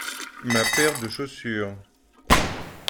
ma paire de chaussures.